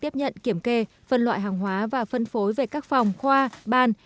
tiếp nhận kiểm kê phân loại hàng hóa và phân phối về các phòng khoa ban